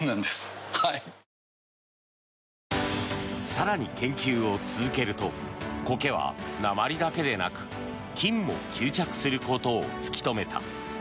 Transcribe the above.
更に、研究を続けるとコケは鉛だけでなく金も吸着することを突き止めた。